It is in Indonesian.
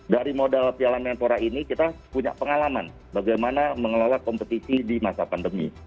dari modal piala menpora ini kita punya pengalaman bagaimana mengelola kompetisi di masa pandemi